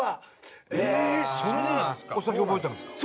それでお酒覚えたんすか？